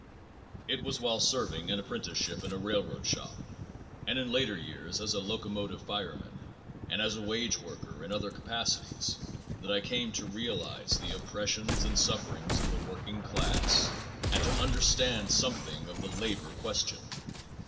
It was while serving an apprenticeship in a railroad shop and in later years as a locomotive fireman and as a wage worker in other capacities that I came to realize the oppressions and sufferings of the working class and to understand something of the labor question.